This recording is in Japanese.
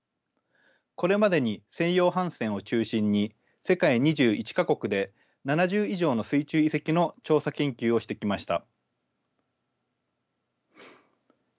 これまでに西洋帆船を中心に世界２１か国で７０以上の水中遺跡の調査研究をしてきました。